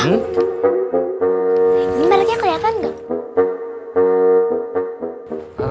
ini baliknya kelihatan enggak